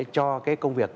cho cái công việc